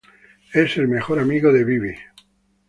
Es el mejor amigo de Bibi.